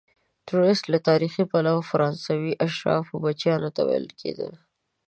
توریست له تاریخي پلوه فرانسوي اشرافو بچیانو ته ویل کیدل.